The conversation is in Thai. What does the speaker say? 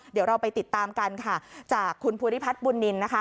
เดี๋ยวเราไปติดตามกันค่ะจากคุณภูริพัฒน์บุญนินนะคะ